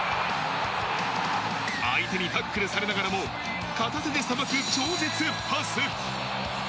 相手にタックルされながらも、片手でさばく超絶パス。